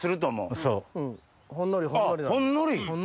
ほんのりや。